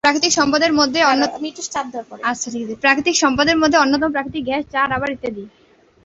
প্রাকৃতিক সম্পদের মধ্যে অন্যতম প্রাকৃতিক গ্যাস, চা, রাবার ইত্যাদি।